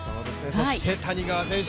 そして谷川選手